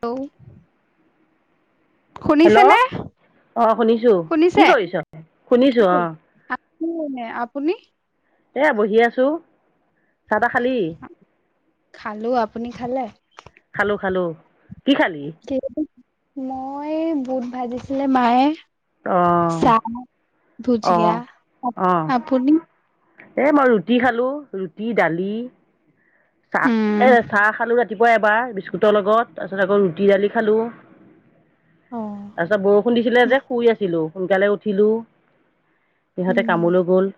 ত' hello শুনিছে নে? অ' শুনিছো কি কৰিছ শুনিছো অ', [unintelligible] আপুনি? এ বহি আছোঁ চাহ তাহ খালী? খালোঁ আপুনি খালে? খালোঁ খালোঁ কি খালি? মই বুট ভাজিছিলে মায়ে। অ চাহ অ ভুজিয়া আপুনি? এ মই ৰুটি খালোঁ ৰুটি দালি উম। চাহ এ চাহ খালোঁ ৰাতি ৰাতিপুৱা এবাৰ বিস্কুটৰ লগত তাৰপিছত আকৌ ৰুটি দালি খালোঁ। তাৰপিছত বৰষুণ দিছিলে যে শুই আছিলোঁ সোনকালে উঠিলো। উম সিহঁতে কামোলো গ'ল।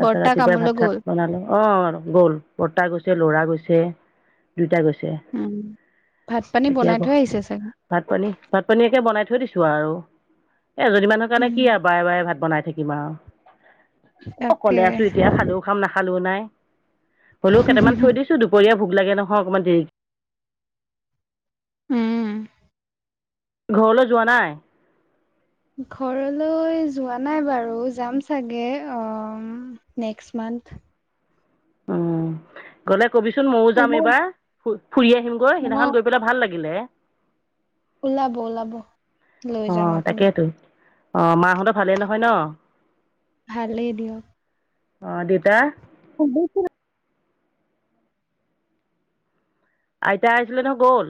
তাৰপিছত বৰ্তা ৰাতিপুৱাই কামলৈ ভাত চাত গ'ল বনালোঁ অ', আৰু গ'ল। বৰ্তা গৈছে লৰা গৈছে দুইটা গৈছে। উম ভাত পানী এতিয়া বনাই আকৌ থৈ আহিছে চাগে। ভাত পানী ভাত পানীয়ে কে বনাই থৈ দিছো আৰু এ এজনী মানুহ কাৰণে উম কি আৰু বাৰে বাৰে ভাত বনাই থাকিম আৰু। অকলে তাকে আছোঁ এতিয়া খালেও খাম, নাখালেও নাই, হলেও কেইটামান থৈ দিছো দুপৰীয়া ভোক লাগে নহয় অকণমান দেৰি উম, ঘৰলৈ যোৱা নাই? ঘৰলৈ যোৱা নাই বাৰু যাম চাগে অ', নেক্সট মান্থ। [inaudible] উম, গলে কবিচোন ময়ো যাম ওলাব এইবাৰ। ফুৰি আহিমগৈ অ সেইদিনাখন গৈ পেলাই ভাল লাগিলে। ওলাব ওলাব লৈ যাম আপোনাক। অ', মাহঁতে ভালেই নহয় ন? ভালেই দিয়ক। অ', দেউতা? [unintelligible] আইতা আছিলে নে গ'ল?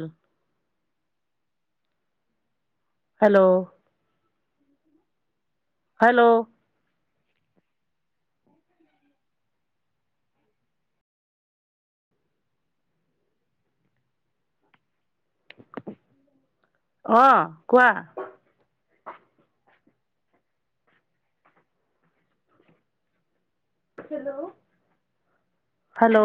হেল্ল' হেল্ল' অ', কোৱা। হেল্ল'